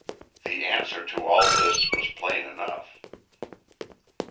The answer to all this was plain enough.